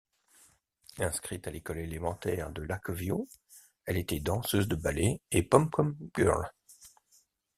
Inscrite à l'école élémentaire de Lakeview, elle était danseuse de ballet et pom-pom girl.